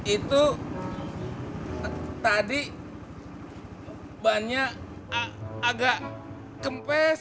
itu tadi banyak agak kempes